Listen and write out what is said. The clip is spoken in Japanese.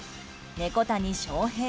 猫谷翔平